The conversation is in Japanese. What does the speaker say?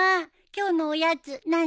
今日のおやつ何？